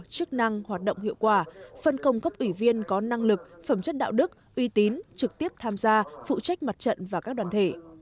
chức năng hoạt động hiệu quả phân công cấp ủy viên có năng lực phẩm chất đạo đức uy tín trực tiếp tham gia phụ trách mặt trận và các đoàn thể